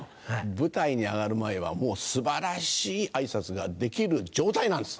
舞台に上がる前はもう素晴らしい挨拶ができる状態なんです。